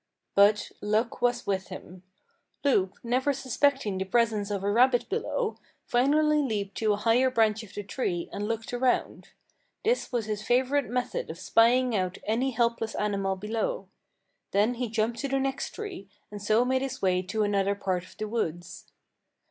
But luck was with him. Loup, never suspecting the presence of a rabbit below, finally leaped to a higher branch of the tree, and looked around. This was his favorite method of spying out any helpless animal below. Then he jumped to the next tree, and so made his way to another part of the woods.